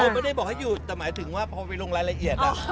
ไม่ได้บอกให้หยุดแต่หมายถึงว่าพอไปลงรายละเอียด